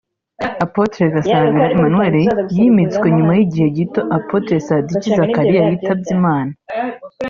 Apotre Gasabira Emmanuel yimitswe nyuma y'igihe gito Apotre Sadiki Zakariya yitabye Imana